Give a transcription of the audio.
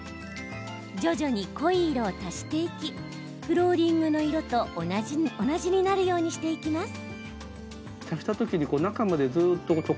徐々に濃い色を足していきフローリングの色と同じになるようにしていきます。